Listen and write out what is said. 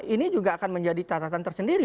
ini juga akan menjadi catatan tersendiri